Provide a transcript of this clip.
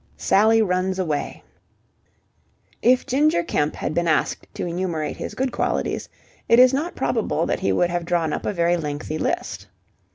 SALLY RUNS AWAY If Ginger Kemp had been asked to enumerate his good qualities, it is not probable that he would have drawn up a very lengthy list.